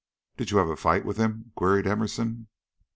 "Did you have a fight with him?" queried Emerson.